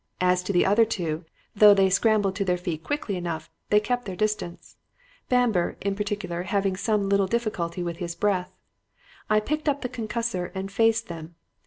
As to the other two, though they scrambled to their feet quickly enough, they kept their distance, Bamber in particular having some little difficulty with his breath. I picked up the concussor and faced them.